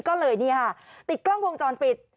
ก็เลยติดกล้องวงจรปิด